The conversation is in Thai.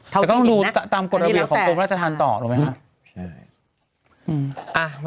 แต่ก็ต้องดูตามกฎระเบียบของโรงราชธรรมต่อรู้ไหมฮะใช่